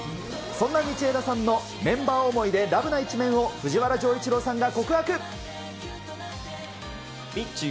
そんな道枝さんのメンバー思いでラブな一面を藤原丈一郎さんが告みっちー